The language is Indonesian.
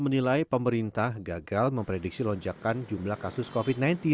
menilai pemerintah gagal memprediksi lonjakan jumlah kasus covid sembilan belas